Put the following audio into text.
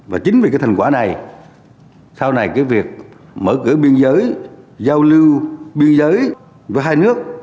và chính vì cái thành quả này sau này cái việc mở cửa biên giới giao lưu biên giới với hai nước